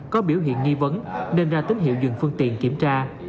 có biểu hiện nghi vấn nên ra tín hiệu dừng phương tiện kiểm tra